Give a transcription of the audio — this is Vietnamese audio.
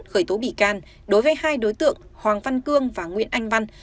khởi tố bị can đối với hai đối tượng hoàng văn cương và nguyễn anh văn